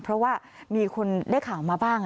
เพราะว่ามีคนได้ข่าวมาบ้าง